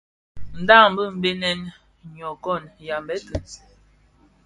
Ndhañ di Benèn, nyokon, yambette.